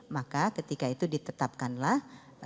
maka ketika itu ditetapkanlah